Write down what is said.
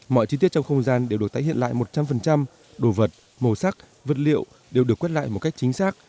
mọi chi tiết trong không gian đều được tái hiện lại một trăm linh đồ vật màu sắc vật liệu đều được quét lại một cách chính xác